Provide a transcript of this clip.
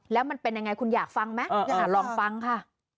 แล้วมันเป็นยังไงคุณอยากฟังไหมลองฟังค่ะ